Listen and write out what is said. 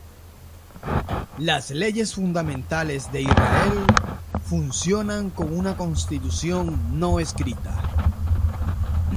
Las Leyes fundamentales de Israel funcionan con una constitución no escrita.